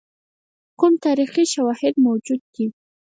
کوم تاریخي شواهد موجود دي.